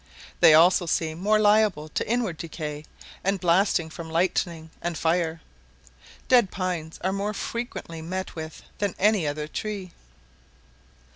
They also seem more liable to inward decay, and blasting from lightning, and fire. Dead pines are more frequently met with than any other tree.